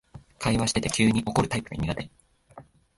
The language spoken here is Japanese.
会話してて急に怒るタイプで苦手